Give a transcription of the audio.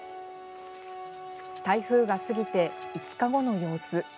台風が過ぎて５日後の様子。